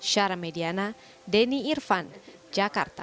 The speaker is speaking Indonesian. syara mediana denny irvan jakarta